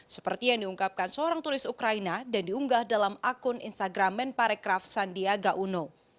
seperti yang diungkapkan seorang tulis ukraina dan diunggah dalam akun instagram menparekraf sandiaga uno